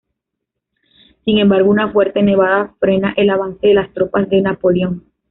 Sin embargo, una fuerte nevada frena el avance de las tropas de Napoleón.